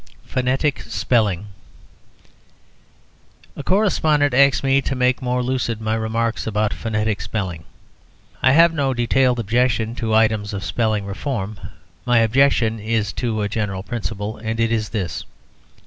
PHONETIC SPELLING A correspondent asks me to make more lucid my remarks about phonetic spelling. I have no detailed objection to items of spelling reform; my objection is to a general principle; and it is this.